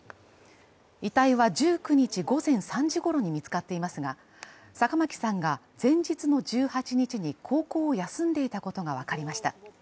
遺体は１９日午前３時ごろに見つかっていますが、坂巻さんが前日の１８日に高校を休んでいたことが分かりました。